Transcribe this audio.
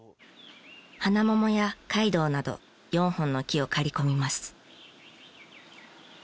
花桃やカイドウなど４本の木を刈り込みます。